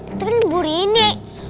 itu kan burini